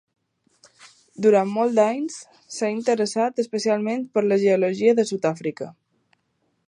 Durant molts anys s'ha interessat especialment per la geologia de Sud-àfrica.